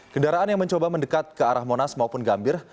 kendaraan yang mencoba mendekat ke arah monas maupun gambir